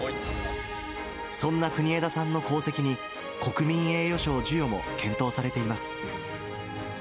そんな国枝さんの功績に、国民栄誉賞授与も検討されています。